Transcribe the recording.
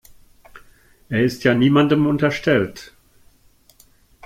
Er ist ja niemandem unterstellt.